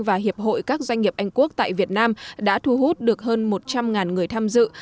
và hiệp hội các doanh nghiệp anh quốc tại việt nam đã thu hút được hơn một trăm linh người tham dự